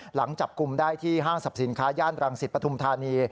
หลังจับกลุ่มได้ที่ห้างสรรพสินค้าย่านรังสิตปฐุมธานี